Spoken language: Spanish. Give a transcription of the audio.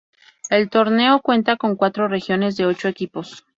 El torneo cuenta con cuatro regiones de ocho equipos.